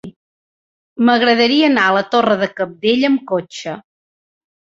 M'agradaria anar a la Torre de Cabdella amb cotxe.